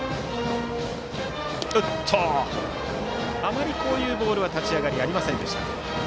あまりこういうボールは立ち上がり、ありませんでした。